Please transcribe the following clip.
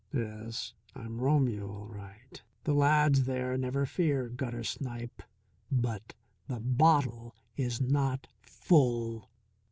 "Yes, I'm Romeo all right the lad's there, never fear, gutter snipe. But the bottle is not full."